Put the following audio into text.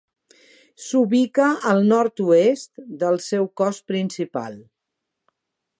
S'ubica al nord-oest del seu cos principal.